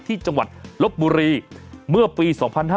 ที่จังหวัดลบบุรีเมื่อปี๒๕๕๙